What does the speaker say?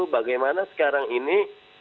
bagaimana sekarang ini